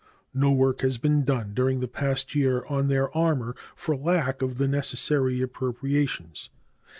No work has been done during the past year on their armor for lack of the necessary appropriations.